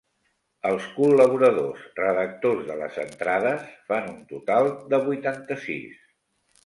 Els col·laboradors, redactors de les entrades, fan un total de vuitanta-sis.